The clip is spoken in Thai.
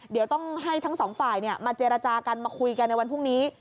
เดี๋ยวต้องให้ทั้งสองฝ่ายมาเจรจากันมาคุยกันในวันพรุ่งนี้